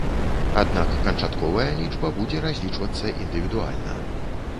Аднак канчатковая лічба будзе разлічвацца індывідуальна.